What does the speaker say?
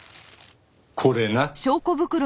これな。